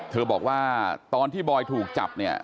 บอกว่าตอนที่บอยถูกจับเนี่ย